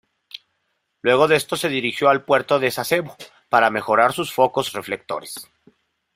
Luego de esto se dirigió al puerto de Sasebo para mejorar sus focos reflectores.